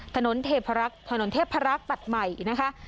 ถนนเทพรักษ์ถนนเทพรักษ์ตัดใหม่นะคะ